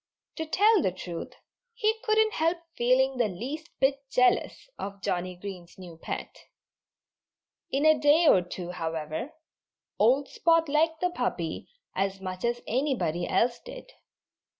To tell the truth, he couldn't help feeling the least bit jealous of Johnnie Green's new pet. In a day or two, however, old Spot liked the puppy as much as anybody else did.